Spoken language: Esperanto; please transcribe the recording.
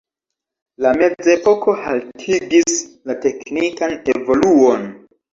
La mezepoko haltigis la teknikan evoluon.